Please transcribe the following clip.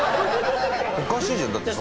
おかしいじゃん、だってさ。